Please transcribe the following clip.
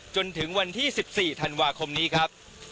จนถึงวันที่๑๔ธันวาคมนี้ครับ